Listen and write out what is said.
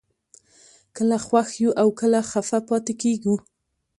کله خوښ یو او کله خفه پاتې کېږو